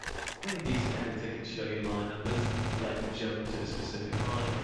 Any decent editor can show you line numbers and let you jump to a specific line.